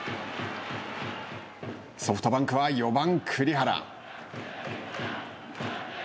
ソフトバンクは４番栗原。